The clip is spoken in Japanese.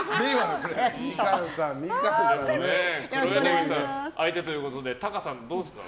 みかんさんが相手ということでタカさん、どうですか？